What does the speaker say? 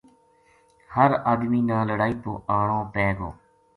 ہر آدمی نا لڑائی پو آنو پے گو